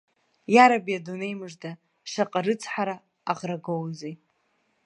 Иараби, адунеи мыжда, шаҟа рыцҳара аӷрагәоузеи.